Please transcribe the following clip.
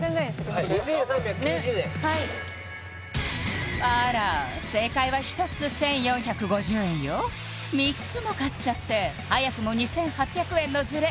はい２３９０円あら正解は１つ１４５０円よ３つも買っちゃって早くも２８００円のズレ